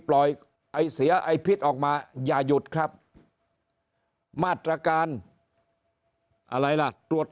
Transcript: ไอเสียไอพิษออกมาอย่าหยุดครับมาตรการอะไรล่ะตรวจ